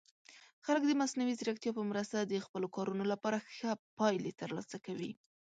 خلک د مصنوعي ځیرکتیا په مرسته د خپلو کارونو لپاره ښه پایلې ترلاسه کوي.